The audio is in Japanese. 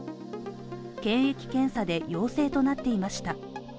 検疫検査で陽性となっていました。